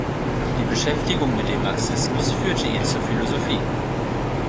Die Beschäftigung mit dem Marxismus führte ihn zur Philosophie.